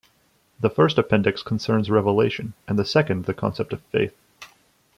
The first appendix concerns revelation and the second the concept of faith.